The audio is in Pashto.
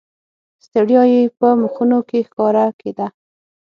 ستړیا یې په مخونو کې ښکاره کېده.